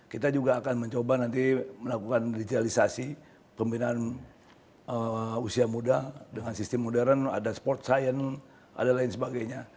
kita juga akan mencoba nanti melakukan digitalisasi pembinaan usia muda dengan sistem modern ada sport science ada lain sebagainya